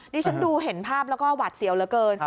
ดิฉันดูเห็นภาพแล้วก็หวาดเสียวเหลือเกิน